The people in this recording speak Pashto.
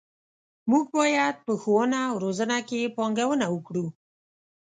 موږ باید په ښوونه او روزنه کې پانګونه وکړو.